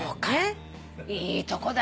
いいとこだったよ。